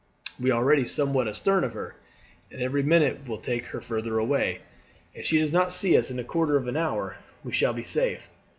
"We are already somewhat astern of her, and every minute will take her further away. If she does not see us in a quarter of an hour, we shall be safe.